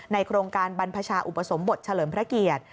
โครงการบรรพชาอุปสมบทเฉลิมพระเกียรติ